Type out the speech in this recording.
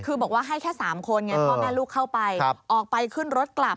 คือบอกว่าให้แค่๓คนไงพ่อแม่ลูกเข้าไปออกไปขึ้นรถกลับ